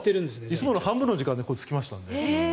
いつもの半分の時間で着きましたので。